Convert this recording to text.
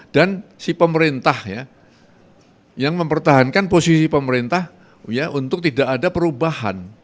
dan si pemerintah yang mempertahankan posisi pemerintah untuk tidak ada perubahan